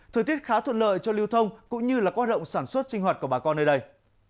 thời tiết khá thuận lợi cho lưu thông cũng như là quá rộng sản xuất trinh hoạt của bà con nơi đây